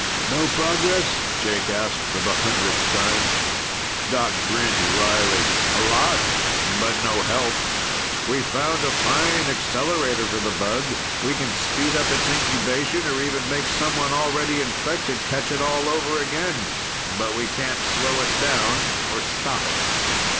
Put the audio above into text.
"No progress?" Jake asked for the hundredth time. Doc grinned wryly. "A lot, but no help. We've found a fine accelerator for the bug. We can speed up its incubation or even make someone already infected catch it all over again. But we can't slow it down or stop it."